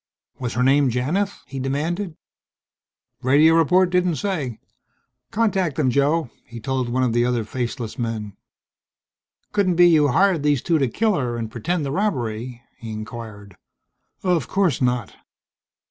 "Was her name Janith?" he demanded. "Radio report didn't say. Contact them, Joe," he told one of the other faceless men. "Couldn't be you hired these two to kill her and pretend the robbery?" he inquired. "Of course not."